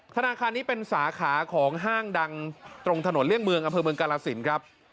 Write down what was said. ธนาคารนี้เป็นสาขาของห้างดังตรงถนนเลี่ยงเมืองอำเภอเมืองกาลสินครับ